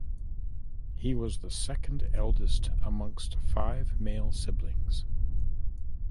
He was the second eldest amongst five male siblings.